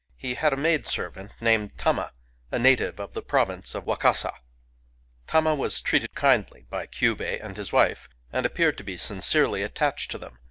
He had a maid servant named Tama, — a native of the province of Wakasa. Tama was kindly treated by Kyubei and his wife, and appeared to be sincerely attached to them.